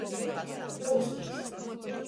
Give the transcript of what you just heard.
Rūstīs.